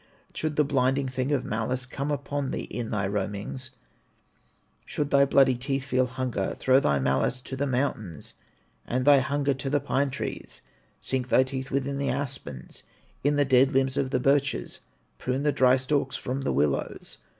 Should the blinding thing of malice Come upon thee in thy roamings, Should thy bloody teeth feel hunger, Throw thy malice to the mountains, And thy hunger to the pine trees, Sink thy teeth within the aspens, In the dead limbs of the birches, Prune the dry stalks from the willows.